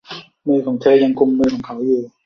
มือของเธอยังกุมมือของเขาอยู่